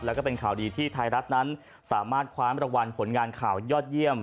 แล้วก็เป็นข่าวดีที่ไทยรัฐนั้นสามารถคว้ามรางวัลผลงานข่าวยอดเยี่ยม